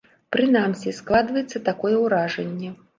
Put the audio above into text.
Прынамсі, складваецца такое ўражанне.